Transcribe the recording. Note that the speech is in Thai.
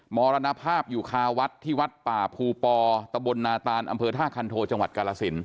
มรณภาพอยู่คาวัดที่วัดป่าภูปอตะบลนาตานอำเภอท่าคันโทจังหวัดกาลสิน